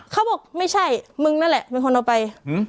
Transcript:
เขาบอกไม่ใช่มึงนั่นแหละเป็นคนเอาไป